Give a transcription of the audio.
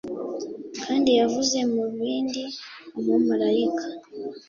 Kandi yavuze mubindi Umumarayika